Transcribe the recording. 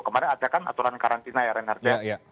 kemarin ada kan aturan karantina ya renard ya